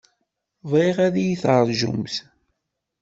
Bɣiɣ ad yi-terjumt.